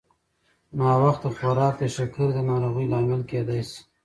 ناوخته خوراک د شکرې د ناروغۍ لامل کېدای شي.